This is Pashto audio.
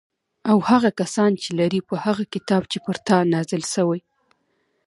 او هغه کسان چې لري په هغه کتاب چې پر تا نازل شوی